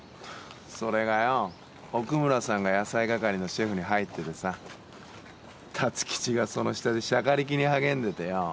それがよ奥村さんが野菜係のシェフに入っててさ辰吉がその下でしゃかりきに励んでてよ